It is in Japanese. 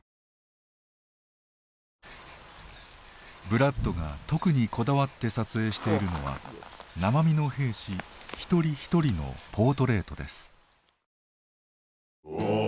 ブラッドが特にこだわって撮影しているのは生身の兵士一人一人のポートレートです。